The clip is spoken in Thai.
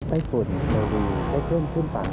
ได้ฝุ่นเดอร์วีได้เพิ่มขึ้นปาก